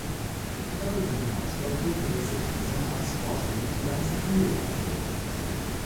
Darüber hinaus werden regelmäßig sonntags Vorträge für die ganze Familie angeboten.